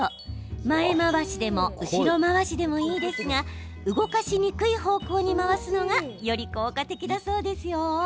前回しでも後ろ回しでもいいですが動かしにくい方向に回すのがより効果的だそうですよ。